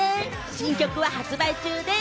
新曲は発売中です。